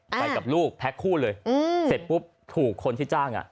ไปกับลูกแพ็คคู่เลยเสร็จปุ๊บถูกคนที่จ้างอ่ะ